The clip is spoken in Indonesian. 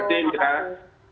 terima kasih mbak